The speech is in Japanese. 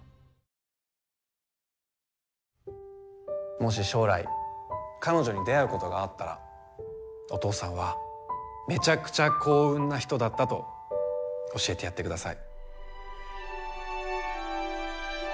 もし将来彼女に出会うことがあったらお父さんはめちゃくちゃ幸運なひとだったと教えてやってください。